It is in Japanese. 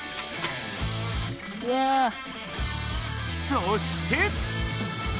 そして！